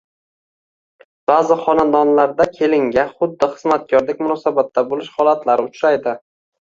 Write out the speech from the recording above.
Ba'zi xonadonlarda kelinga xuddi xizmatkordek munosabatda bo‘lish holatlari uchraydi